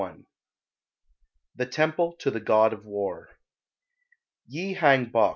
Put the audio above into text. XXXI THE TEMPLE TO THE GOD OF WAR [Yi Hang bok.